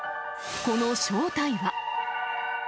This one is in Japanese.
この正体は。